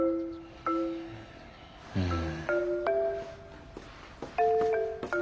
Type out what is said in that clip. うん。